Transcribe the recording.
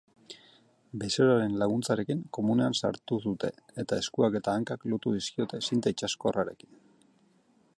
Bezeroaren laguntzarekin komunean sartu dute eta eskuak eta hankak lotu dizkiote zinta itsaskorrarekin.